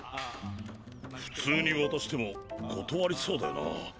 普通に渡しても断りそうだよなぁ